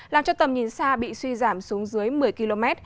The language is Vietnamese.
làm cho tầm nhìn xa bị suy giảm xuống dưới một mươi km